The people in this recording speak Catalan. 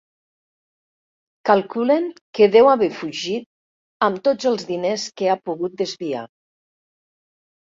Calculen que deu haver fugit amb tots els diners que ha pogut desviar.